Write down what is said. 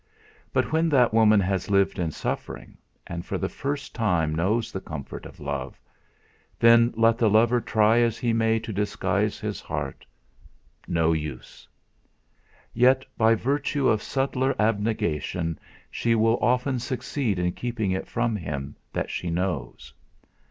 But when that woman has lived in suffering, and for the first time knows the comfort of love, then let the lover try as he may to disguise his heart no use! Yet by virtue of subtler abnegation she will often succeed in keeping it from him that she knows.